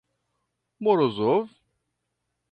Morozov?